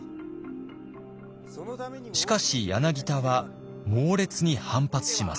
しかし柳田は猛烈に反発します。